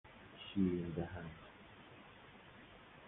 شیرین دهن